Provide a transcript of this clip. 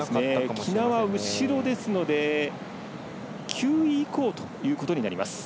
喜納は後ろですので９位以降ということになります。